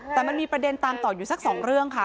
แต่มันมีประเด็นตามต่ออยู่สักสองเรื่องค่ะ